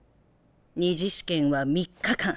２次試験は３日間。